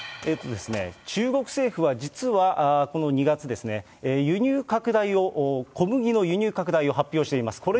中国政府は、実はこの２月ですね、輸入拡大を、小麦の輸入拡大を発表しています。